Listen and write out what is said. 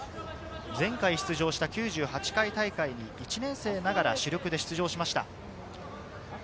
前回出場した９８回大会は１年生ながら主力でした。